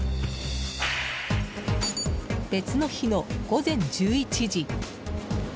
別の日の午前１１時。